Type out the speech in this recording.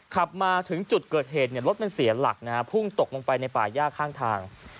ขับมาถึงจุดเกิดเหตุรถมันเสียหลักนะฮะพุ่งตกลงไปในป่าย่าข้างทาง